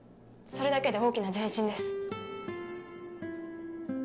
それだけで大きな前進です。